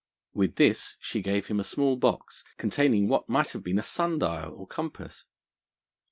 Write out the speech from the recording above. With this she gave him a small box containing what might have been a sundial or compass.